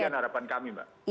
demikian harapan kami mbak